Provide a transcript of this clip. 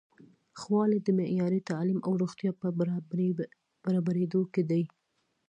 ښه والی د معیاري تعلیم او روغتیا په برابریدو کې دی.